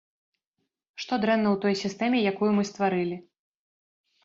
Што дрэнна ў той сістэме, якую мы стварылі?